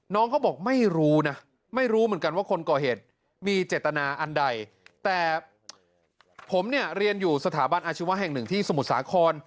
น้องเขาบอกไม่รู้นะไม่รู้เหมือนกันว่าคนก่อเหตุมีเจตนาอันใดแต่ผมเนี่ยเรียนอยู่สถาบันอาชีวะแห่งหนึ่งที่สมุทรสาคร